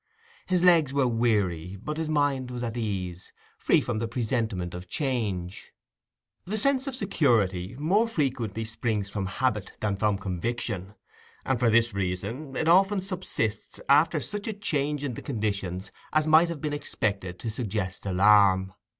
His legs were weary, but his mind was at ease, free from the presentiment of change. The sense of security more frequently springs from habit than from conviction, and for this reason it often subsists after such a change in the conditions as might have been expected to suggest alarm.